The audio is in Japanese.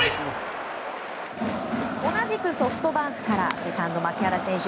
同じくソフトバンクからセカンド牧原選手。